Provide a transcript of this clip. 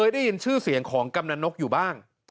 ได้ยินชื่อเสียงของกำนันนกอยู่บ้าง